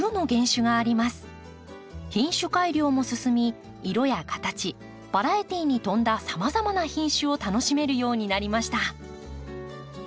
品種改良も進み色や形バラエティーに富んださまざまな品種を楽しめるようになりました。